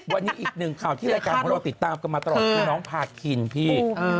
วันนี้อีกหนึ่งข่าวที่รายการของเราติดตามกันมาตลอดคือน้องพาคินพี่